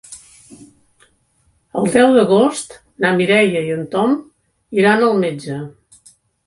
El deu d'agost na Mireia i en Tom iran al metge.